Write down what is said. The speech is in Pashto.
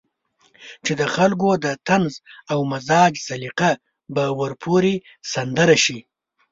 چې د خلکو د طنز او مزاح سليقه به ورپورې سندره شي.